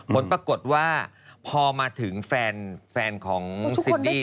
ผลปรากฏว่าพอมาถึงแฟนของซินดี้